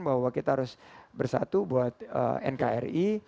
bahwa kita harus bersatu buat nkri